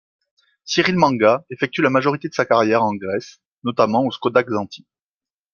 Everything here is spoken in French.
Cyrille Mangan effectue la majorité de sa carrière en Grèce, notamment au Skoda Xanthi.